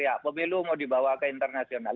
ya pemilu mau dibawa ke internasional